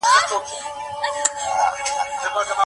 ما د خپل ورور سره په لاره کې خبرې وکړې.